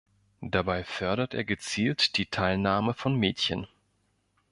Dabei fördert er gezielt die Teilnahme von Mädchen.